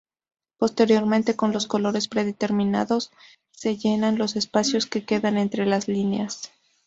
Posteriormente, con los colores predeterminados se llenan los espacios que quedan entre las líneas.